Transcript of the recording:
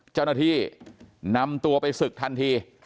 เจ้าหน้าที่นำตัวไปศึกทันที